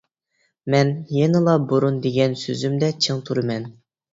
مەن يەنىلا بۇرۇن دېگەن سۆزۈمدە چىڭ تۇرىمەن.